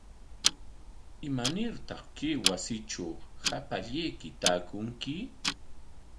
¿Imanartaq kay wasitraw hapallayki taakunki?